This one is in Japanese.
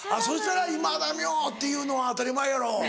そしたら今田美桜っていうのは当たり前やろ。